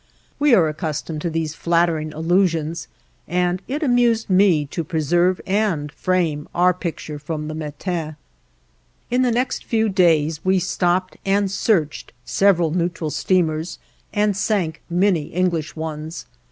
We are accustomed to these flattering allusions, and it amused me to preserve and frame our picture from the Matin. In the next few days we stopped and searched several neutral steamers, and sank many English ones.